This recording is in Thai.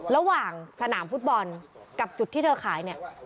ระหว่างสนามฟุตบอลกับจุดที่เธอขายเนี่ย